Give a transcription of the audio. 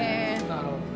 なるほどね。